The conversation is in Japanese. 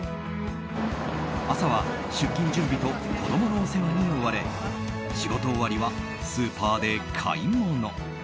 朝は出勤準備と子供のお世話に追われ仕事終わりはスーパーで買い物。